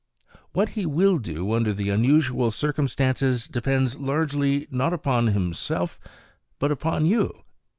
What he will do under the unusual circumstances depends largely, not upon himself, but upon you.